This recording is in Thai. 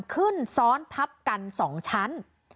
ขึ้นซ้อนทับกัน๒ชั้น